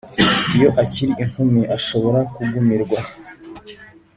iyo akiri inkumi, ashobora kugumirwa,